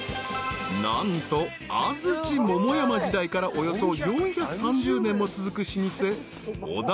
［何と安土桃山時代からおよそ４３０年も続く老舗］